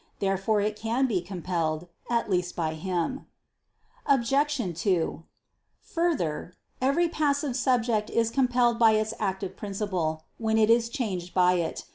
Therefore it can be compelled, at least by Him. Obj. 2: Further, every passive subject is compelled by its active principle, when it is changed by it.